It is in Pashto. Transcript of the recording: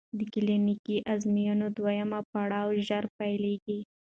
د کلینیکي ازموینو دویم پړاو ژر پیل کېږي.